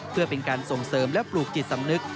เพื่อเป็นการส่งเสริมและปลูกจิตสำนึก